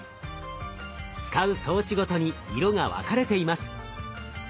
使う装置ごとに色が分かれています。